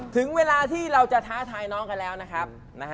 ถึงเวลาที่เราจะท้าทายน้องกันแล้วนะครับ